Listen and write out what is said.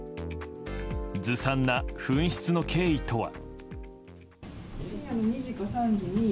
ずさんな紛失の経緯とは。